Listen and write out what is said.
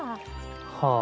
はあ。